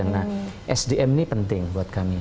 nah sdm ini penting buat kami